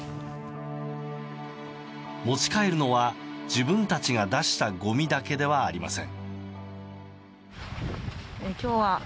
持ち帰るのは、自分たちが出したごみだけではありません。